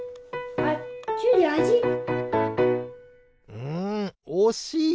うんおしい！